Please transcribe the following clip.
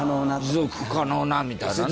持続可能なみたいなね。